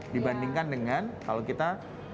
dibandingkan dengan kalau kita